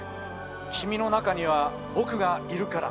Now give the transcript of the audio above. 君の中には僕がいるから。